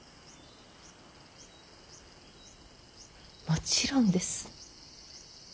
もちろんです。